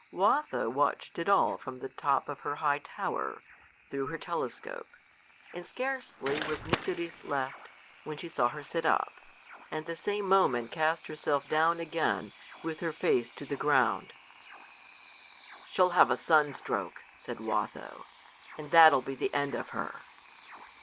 Watho watched it all from the top of her high tower, through her telescope; and scarcely was Nycteris left, when she saw her sit up, and the same moment cast herself down again with her face to the ground. "She'll have a sun stroke," said Watho, "and that'll be the end of her."